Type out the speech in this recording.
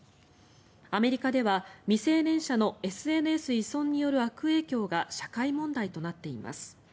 アメリカでは未成年者のＳＮＳ依存による悪影響が社会問題となっています。